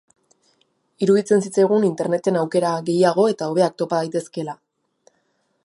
Iruditzen zitzaigun Interneten aukera gehiago eta hobeak topa daitezkeela.